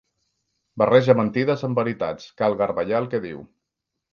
Barreja mentides amb veritats: cal garbellar el que diu.